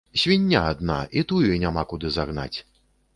Свіння адна, і тую няма куды загнаць.